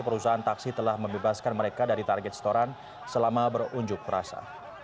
perusahaan taksi telah membebaskan mereka dari target setoran selama berunjuk rasa